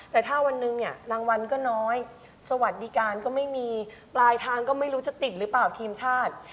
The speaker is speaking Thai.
แต่ถ้าวันหนึ่งเนี่ยรางวัลก็น้อยสวัสดิการก็ไม่มีปลายทางก็ไม่รู้จะติดหรือเปล่าทีมชาติ